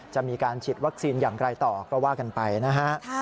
จะมีการฉีดวัคซีนอย่างไรต่อก็ว่ากันไปนะฮะ